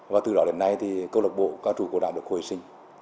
và từ đó đến nay thì cơ lộc bộ ca chủ của đảng được hồi sinh